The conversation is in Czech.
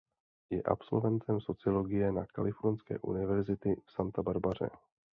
Je absolventem sociologie na Kalifornské univerzity v Santa Barbaře.